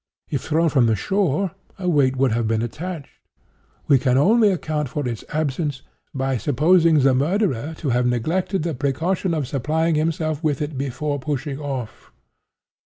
If thrown from the shore a weight would have been attached. We can only account for its absence by supposing the murderer to have neglected the precaution of supplying himself with it before pushing off.